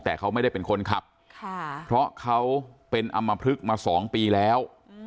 แต่เขาไม่ได้เป็นคนขับเพราะเขาเป็นอำมพลึกมา๒ปีแล้ว